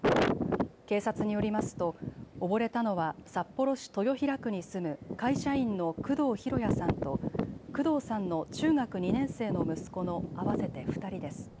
警察によりますと溺れたのは札幌市豊平区に住む会社員の工藤博也さんと工藤さんの中学２年生の息子の合わせて２人です。